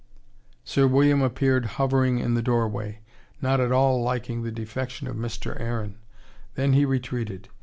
Sir William appeared hovering in the doorway, not at all liking the defection of Mr. Aaron. Then he retreated.